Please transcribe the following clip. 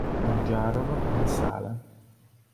Mangiarono in sala.